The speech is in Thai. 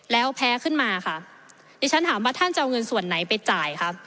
แล้วแพ้ขึ้นมาค่ะดิฉันถามว่าท่านจะเอาเงินส่วนไหนไปจ่ายครับ